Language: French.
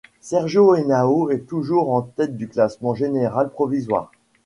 Sergio Henao est toujours en tête du classement général provisoire.